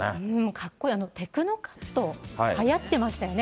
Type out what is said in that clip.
かっこいい、テクノカット、はやってましたよね。